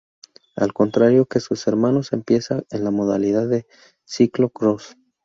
Al contrario que sus hermanos, empieza en la modalidad de Cyclo-cross.